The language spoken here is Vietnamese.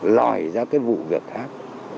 lòi ra cái vụ việc khác